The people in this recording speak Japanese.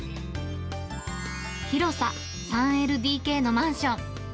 広さ３ＬＤＫのマンション。